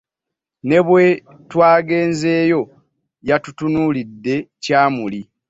Ne bwe twagenzeeyo yatutunuulidde kyamuli.